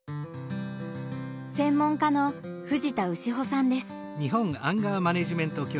専門家の藤田潮さんです。